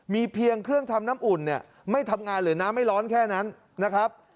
มีเพียงเครื่องทำน้ำอุ่นเนี่ยไม่ทำงานหรือน้ำไม่ร้อนแค่นั้นนะครับ